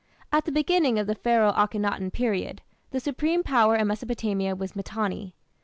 At the beginning of the Pharaoh Akhenaton period, the supreme power in Mesopotamia was Mitanni.